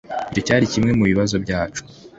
icyo cyari kimwe mubibazo byacu